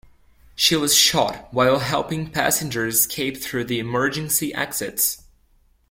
She was shot while helping passengers escape through the emergency exits.